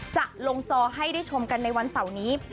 จะลงจอให้ได้ชมกันในวันเสาร์นี้